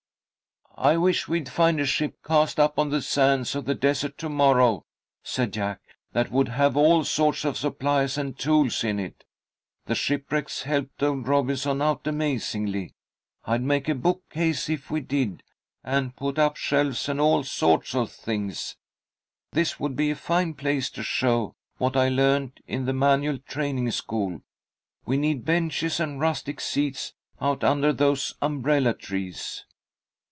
"I wish we'd find a ship cast up on the sands of the desert to morrow," said Jack, "that would have all sorts of supplies and tools in it. The shipwrecks helped old Robinson out amazingly. I'd make a bookcase if we did, and put up shelves and all sorts of things. This would be a fine place to show what I learned in the manual training school. We need benches and rustic seats out under those umbrella trees."